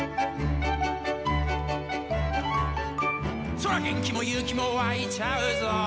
「そら元気も勇気もわいちゃうぞ」